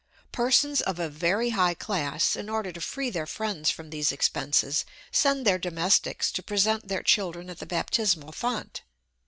Persons of a very high class in order to free their friends from these expenses, send their domestics to present their children at the baptismal font.